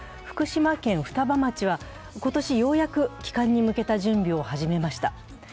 福島県双葉町は今年ようやく帰還に向けた準備を始めました。